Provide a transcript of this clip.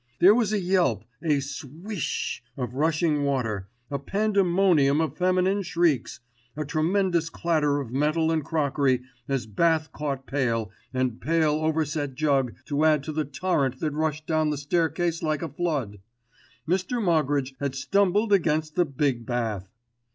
There was a yelp, a swiiiiiish of rushing water, a pandemonium of feminine shrieks, a tremendous clatter of metal and crockery, as bath caught pail, and pail overset jug to add to the torrent that rushed down the staircase like a flood. Mr. Moggridge had stumbled against the big bath!